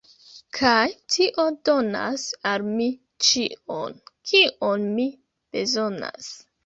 kaj tio donas al mi ĉion, kion mi bezonas